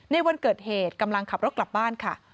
ในวันเกิดเหตุกำลังขับรถกลับบ้านค่ะ